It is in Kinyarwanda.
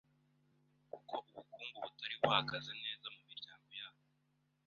kuko ubukungu butari buhagaze neza mu miryango yabo.